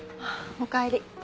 おかえり。